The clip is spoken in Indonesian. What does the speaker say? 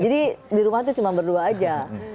jadi di rumah tuh cuma berdua aja